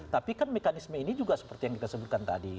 tapi kan mekanisme ini juga seperti yang kita sebutkan tadi